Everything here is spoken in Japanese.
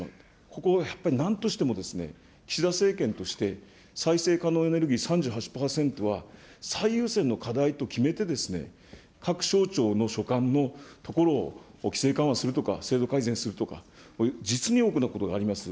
ここをやっぱりなんとしても、岸田政権として、再生可能エネルギー３８％は、最優先の課題と決めて、各省庁の所管のところを規制緩和するとか、制度改善するとか、実に多くのことがあります。